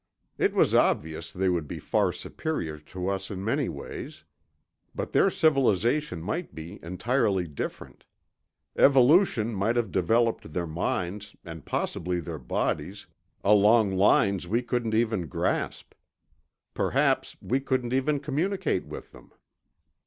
It was obvious they would be far superior to us in many ways. But their civilization might be entirely different. Evolution might have developed their minds, and possibly their bodies, along lines we couldn't even grasp. Perhaps we couldn't even communicate with them.